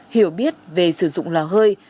hiểu biết về sử dụng nồi hơi